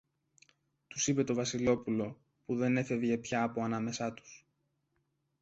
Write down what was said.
τους είπε το Βασιλόπουλο, που δεν έφευγε πια από ανάμεσα τους.